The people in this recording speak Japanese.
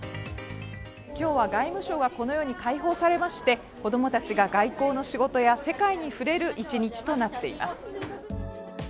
今日は外務省がこのように開放されまして、子供たちが外交の仕事や世界に触れる一日となっています。